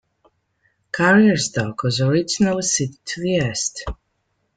Carriers' Dock was originally sited to the east.